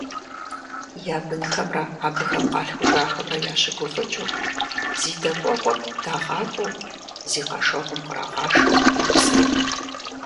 Я бынхэмрэ абыхэм къалъхужахэмрэ ящыгуфӀыкӀыу, зи дэкӀуэгъуэр дагъакӀуэу, зи къэшэгъуэм кърагъашэу мэпсэу.